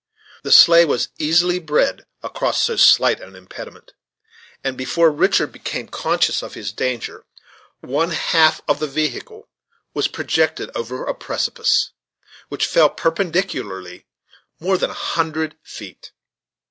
The sleigh was easily breed across so slight an impediment, and before Richard became conscious of his danger one half of the vehicle Was projected over a precipice, which fell perpendicularly more than a hundred feet.